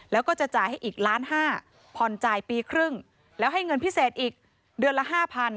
แล้วก็จะจ่ายให้อีกล้านห้าผ่อนจ่ายปีครึ่งแล้วให้เงินพิเศษอีกเดือนละ๕๐๐